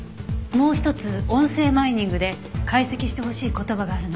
もう一つ音声マイニングで解析してほしい言葉があるの。